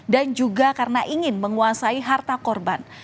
juga karena ingin menguasai harta korban